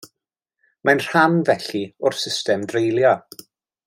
Mae'n rhan, felly, o'r system dreulio.